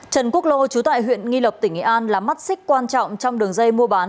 trần quốc lô trú tại huyện nghi lộc tỉnh nghệ an là mắt xích quan trọng trong đường dây mua bán